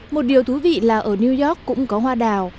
một điều thú vị là ở new york cũng có hoa đào